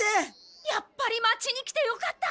やっぱり町に来てよかった！